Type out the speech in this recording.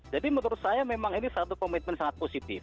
jadi menurut saya memang ini satu komitmen sangat positif